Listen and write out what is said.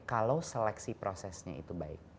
kalau seleksi prosesnya itu